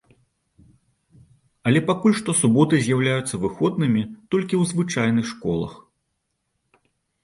Але пакуль што суботы з'яўляюцца выходнымі толькі ў звычайных школах.